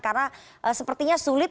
karena sepertinya sulit